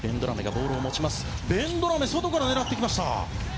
ベンドラメ外から狙ってきました。